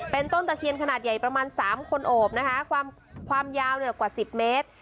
เป็นต้นตะเคียนขนาดใหญ่ประมาณ๓คนโอบนะคะความยาวกว่า๑๐เมตร